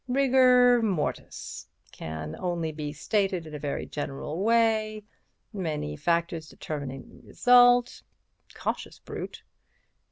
"'Rigor mortis—can only be stated in a very general way—many factors determine the result.' Cautious brute.